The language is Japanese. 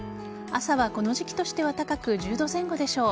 朝はこの時期としては高く１０度前後でしょう。